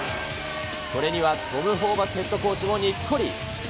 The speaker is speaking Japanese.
これにはトム・ホーバスヘッドコーチもにっこり。